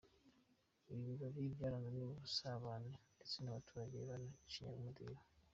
Ibi birori byaranzwe n’ubusabane ndetse abaturage banacinya umudiho.